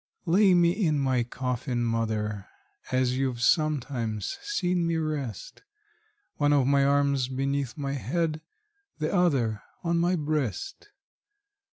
Lay me in my coffin, mother, as you've sometimes seen me rest: One of my arms beneath my head, the other on my breast.